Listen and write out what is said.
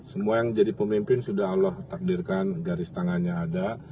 semua yang jadi pemimpin sudah allah takdirkan garis tangannya ada